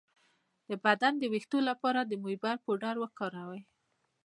د بدن د ویښتو لپاره د موبری پوډر وکاروئ